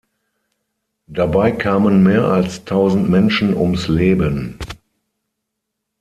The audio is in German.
Dabei kamen mehr als tausend Menschen ums Leben.